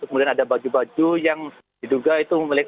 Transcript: kemudian ada baju baju yang diduga itu milik